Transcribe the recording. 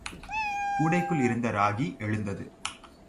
கூடைக்குள் இருந்த ராகி எழுந்தது.